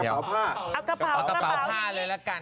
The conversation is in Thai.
เอากระเป๋าผ้าเลยละกัน